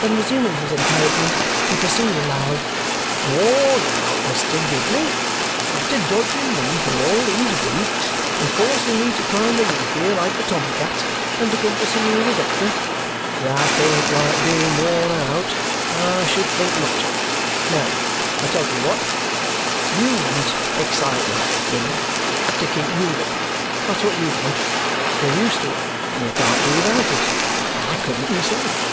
Then resuming his encouragement, he pursued aloud: "Worn out, Mr. Gridley? After dodging me for all these weeks and forcing me to climb the roof here like a tom cat and to come to see you as a doctor? That ain't like being worn out. I should think not! Now I tell you what you want. You want excitement, you know, to keep YOU up; that's what YOU want. You're used to it, and you can't do without it. I couldn't myself.